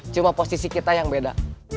cuma posisi kita yang beda